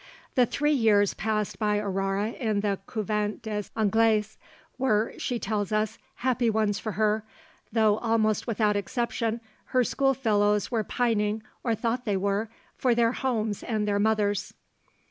The three years passed by Aurore in the Couvent des Anglaises were, she tells us, happy ones for her, though almost without exception her schoolfellows were pining, or thought they were, for their homes and their mothers.